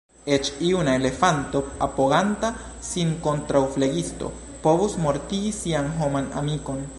Eĉ juna elefanto, apoganta sin kontraŭ flegisto, povus mortigi sian homan amikon.